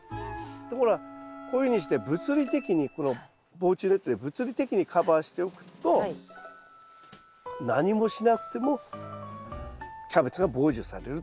ところがこういうふうにして物理的にこの防虫ネットで物理的にカバーしておくと何もしなくてもキャベツが防除されると。